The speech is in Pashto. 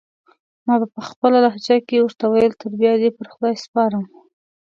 ما پخپله لهجه کې ورته وویل: تر بیا دې پر خدای سپارم.